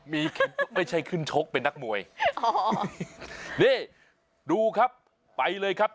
มีคือไม่ใช่ขึ้นชกเป็นนักมวยอ๋อนี่ดูครับไปเลยครับ